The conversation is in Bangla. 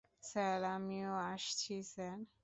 স্যার, আমিও আসছি, স্যার।